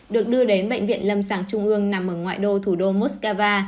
được đưa đến bệnh viện lâm sàng trung ương nằm ở ngoại đô thủ đô moskva